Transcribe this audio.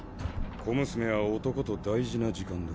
小娘は男と大事な時間だ。